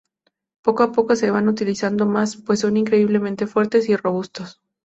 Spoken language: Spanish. Poco a poco se van utilizando más, pues son increíblemente fuertes y robustos.